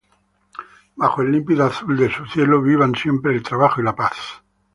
bajo el límpido azul de tu cielo vivan siempre el trabajo y la paz